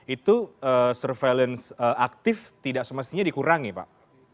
itu surveillance aktif tidak semestinya dikurangi pak